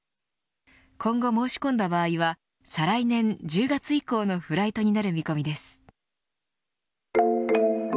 今後、申し込んだ場合は再来年１０月以降のフライトになる見込みです。